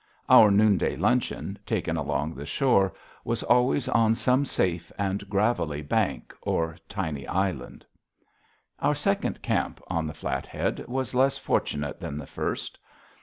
Our noonday luncheon, taken along the shore, was always on some safe and gravelly bank or tiny island. Our second camp on the Flathead was less fortunate than the first.